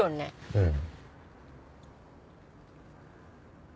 うん。